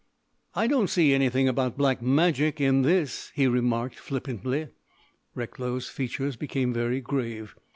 "I don't see anything about Black Magic in this?" he remarked flippantly. Recklow's features became very grave.